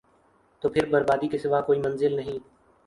تو پھر بربادی کے سوا کوئی منزل نہیں ۔